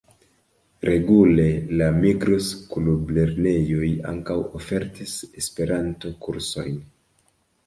Regule la Migros-Klublernejoj ankaŭ ofertis Esperanto-kursojn.